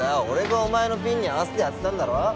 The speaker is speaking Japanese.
俺がお前のピンに合わせてやってたんだろ？